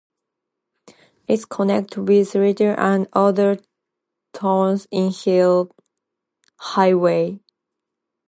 It connects with Iritty and other towns in hill highway.